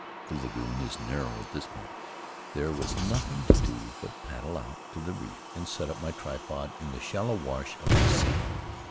The lagoon is narrow at this point; there was nothing to do but paddle out to the reef and set up my tripod in the shallow wash of the sea.